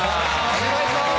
お願いします。